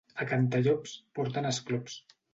A Cantallops porten esclops.